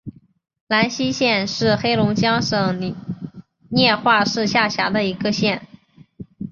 兰西县是黑龙江省绥化市下辖的一个县。